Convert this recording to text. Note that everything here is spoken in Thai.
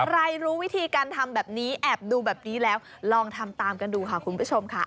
รู้วิธีการทำแบบนี้แอบดูแบบนี้แล้วลองทำตามกันดูค่ะคุณผู้ชมค่ะ